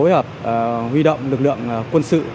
huy động lực lượng quân sự